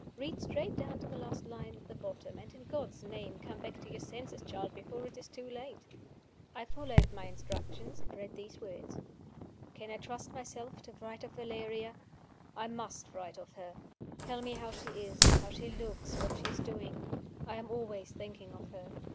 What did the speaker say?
Read straight down to the last line at the bottom, and, in God's name, come back to your senses, child, before it is too late!" I followed my instructions, and read these words: "Can I trust myself to write of Valeria? I must write of her. Tell me how she is, how she looks, what she is doing. I am always thinking of her.